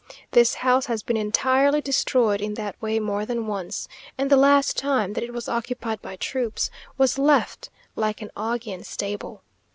This house has been entirely destroyed in that way more than once, and the last time that it was occupied by troops, was left like an Augean stable.